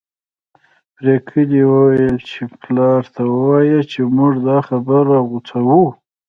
پري ګلې وويل چې پلار ته ووايه چې موږ دا خبره غوڅوو